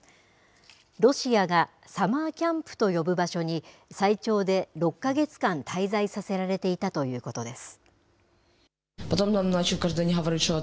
ロシアが、サマーキャンプと呼ぶ場所に最長で６か月間滞在させられていたということです。